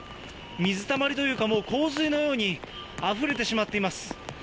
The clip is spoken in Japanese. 水たまりというか、洪水のようにあふれてしまっています。